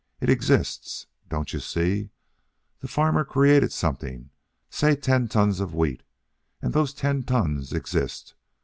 It exists. Don't you see? The farmer created something, say ten tons of wheat, and those ten tons exist.